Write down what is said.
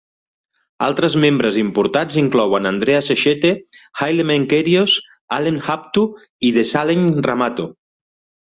Altres membres importats inclouen Andreas Eshete, Haile Menkerios, Alem Habtu, i Dessalegn Rahmato.